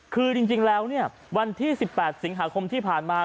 คือจริงแล้ววันที่๑๘สิงหาคมที่ผ่านมา